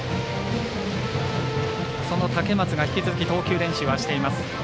その竹松が引き続き投球練習はしています。